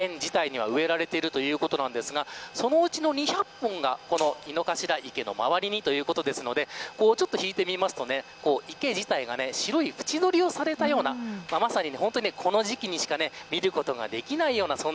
この時間、上からもシートを敷いてる方の姿もありますが４００本の桜が園自体には植えられているということなんですがそのうちの２００本がこの井の頭池の周りにということなのでちょっと引いて見ると池自体が白い縁取りをされたようなまさに、この時期にしか見ることができないような